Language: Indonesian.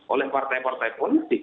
oleh partai partai politik